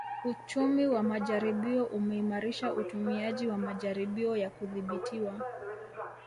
Uchumi wa majaribio umeimarisha utumiaji wa majaribio ya kudhibitiwa